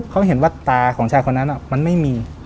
เขาเห็นว่าตาของชายคนนั้นมันไม่มี